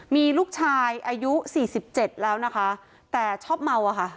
มีลูกชายอายุ๔๗แล้วนะคะแต่ชอบเมาอะค่ะ